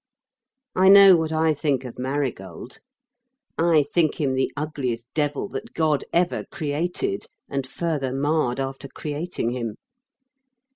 I know what I think of Marigold. I think him the ugliest devil that God ever created and further marred after creating him.